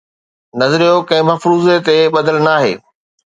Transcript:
نظريو ڪنهن مفروضي تي ٻڌل ناهي